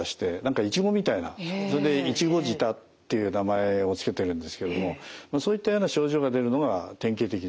それで苺舌っていう名前を付けてるんですけれどもそういったような症状が出るのが典型的です。